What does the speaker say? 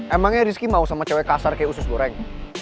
emangnya rizky mau sama cewek kasar kayak usus goreng